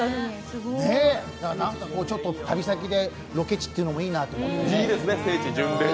旅先でロケ地というのもいいなと思ってね。